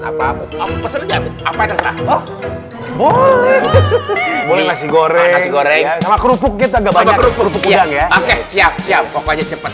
hai oh boleh boleh nasi goreng goreng kerupuk kita gak banyak kerupuk ya siap siap cepet